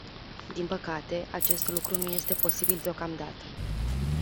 Din păcate, acest lucru nu este posibil deocamdată.